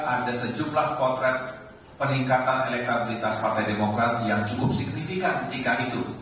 ada sejumlah potret peningkatan elektabilitas partai demokrat yang cukup signifikan ketika itu